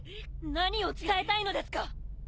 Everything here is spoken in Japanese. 何を伝えたいのですか？